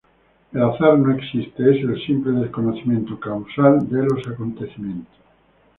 El azar no existe; es el simple desconocimiento causal de los acontecimientos.